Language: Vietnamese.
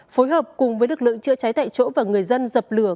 phối hợp cùng với lực lượng chữa cháy tại chỗ và người dân dập lửa